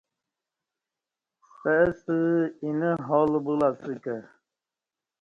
ستہ ستہ ا یینہ حال بولہ اسہ ک ہ